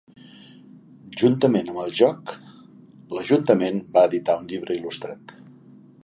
Juntament amb el joc, l'ajuntament va editar un llibre il·lustrat.